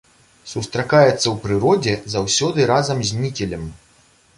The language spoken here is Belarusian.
Сустракаецца ў прыродзе заўсёды разам з нікелем.